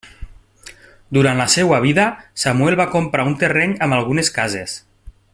Durant la seva vida, Samuel va comprar un terreny amb algunes cases.